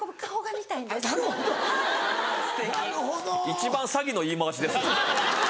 一番詐欺の言い回しです。